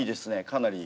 かなり。